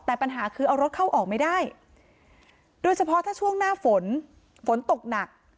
แต่ปัญหาคือเอารถเข้าออกไม่ได้โดยเฉพาะถ้าช่วงหน้าฝนฝนตกหนัก